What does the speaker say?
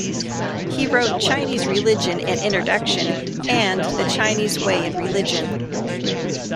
He wrote "Chinese Religion: An Introduction" and "The Chinese Way in Religion".